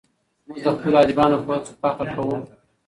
موږ د خپلو ادیبانو په هڅو فخر کوو.